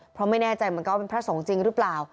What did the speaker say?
เพราะไม่แน่ใจเหมือนกันว่าเป็นพระสงฆ์จริงหรือเปล่า